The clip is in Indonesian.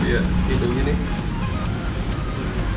lihat hidungnya nih